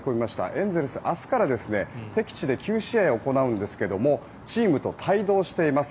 エンゼルスは明日から敵地で９試合行うんですがチームと帯同しています。